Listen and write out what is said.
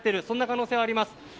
そんな可能性があります。